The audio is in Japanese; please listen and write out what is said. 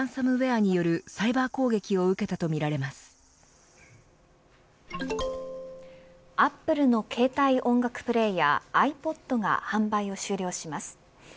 アップルの携帯音楽プレーヤーｉＰｏｄが販売を終了します。